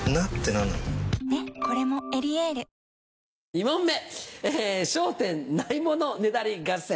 ２問目『笑点』「ないものねだり合戦」。